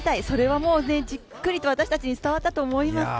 それはもうじっくりと私たちに伝わったと思います。